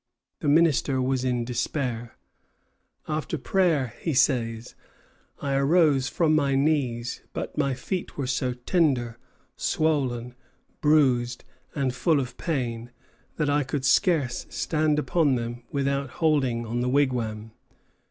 The minister was in despair. "After prayer," he says, "I arose from my knees; but my feet were so tender, swollen, bruised, and full of pain that I could scarce stand upon them without holding on the wigwam.